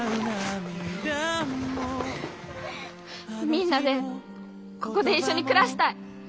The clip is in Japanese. みんなでここで一緒に暮らしたい！